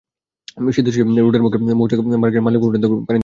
সিদ্ধেশ্বরী রোডের মুখ থেকে মৌচাক মার্কেট হয়ে মালিবাগ মোড় পর্যন্ত পানিতে ডুবে আছে।